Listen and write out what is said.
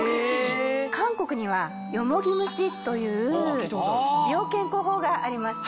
韓国にはよもぎ蒸しという美容健康法がありまして。